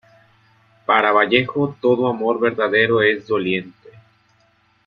Para Vallejo todo amor verdadero es doliente.